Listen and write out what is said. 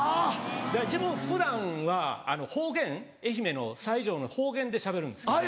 だから自分普段は方言愛媛の西条の方言でしゃべるんですけど。